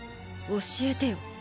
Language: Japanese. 教えてよ